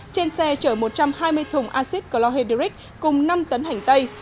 trên xe chở một trăm hai mươi thùng acid chlorhydric cùng năm tấn hành tây